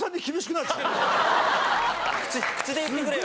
口で言ってくれよ！